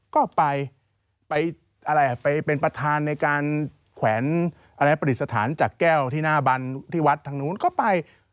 ก็ไปไปอะไรไปเป็นประธานในการแขวนอะไรประดิษฐานจากแก้วที่หน้าบันที่วัดทางนู้นก็ไป